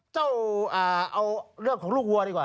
จะเอาเรื่องของลูกวัวดีกว่า